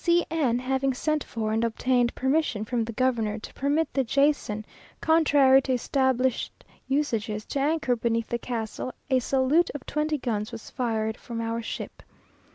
C n having sent for and obtained permission from the Governor, to permit the Jason, contrary to established usages, to anchor beneath the castle, a salute of twenty guns was fired from our ship.